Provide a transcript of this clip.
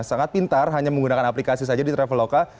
sangat pintar hanya menggunakan aplikasi saja di traveloka